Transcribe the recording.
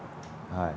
はい。